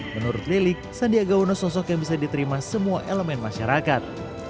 menurut lilik sandiaga uno sosok yang bisa diterima semua elemen masyarakat